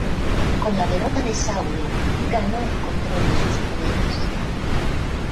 Con la derrota de Sauron, ganó el control de sus poderes.